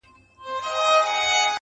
له عرب تر چین ماچینه مي دېرې دي-